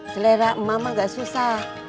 selera emak emak gak susah